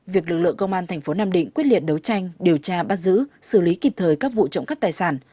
việc lực lượng công an thành phố nam định quyết liệt đấu tranh điều tra bắt giữ xử lý kịp thời các vụ trộm cắp tài sản